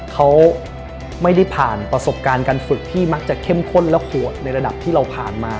เขาไม่ได้ผ่านประสบการณ์การฝึกที่มักจะเข้มข้นและโหดในระดับที่เราผ่านมา